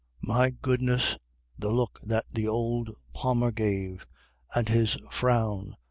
My goodness! the look that the old Palmer gave! And his frown!